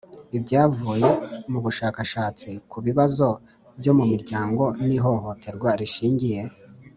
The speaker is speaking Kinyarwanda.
Ibyavuye mu bushakashatsi ku bibazo byo mu miryango n ihohoterwa rishingiye